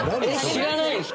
知らないですか？